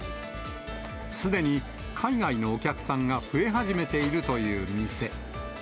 すでに海外のお客さんが増え始めているという店。